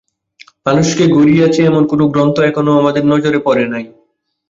মানুষকে গড়িয়াছে, এমন কোন গ্রন্থ এখনও আমাদের নজরে পড়ে নাই।